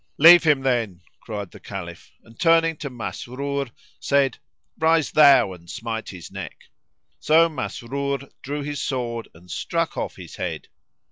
"Leave him then," cried the Caliph and, turning to Masrur said, "Rise thou and smite his neck." So Masrur drew his sword and struck off his head.